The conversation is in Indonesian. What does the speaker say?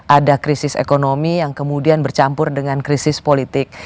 ada krisis ekonomi yang kemudian bercampur dengan krisis politik